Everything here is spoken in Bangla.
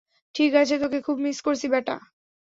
ঠিক আছে, তোকে খুব মিস করছি, বেটা।